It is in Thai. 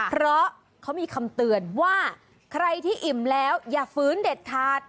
เพราะเขามีคำเตือนว่าใครที่อิ่มแล้วอย่าฝืนเด็ดขาด